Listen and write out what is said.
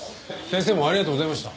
先生もありがとうございました。